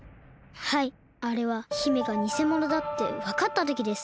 はいあれは姫がにせものだってわかったときです。